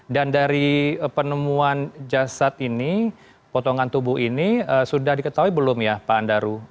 dan dari penemuan jasad ini potongan tubuh ini sudah diketahui belum ya pak andaruh